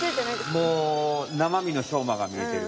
もうなまみのしょうまがみえてる。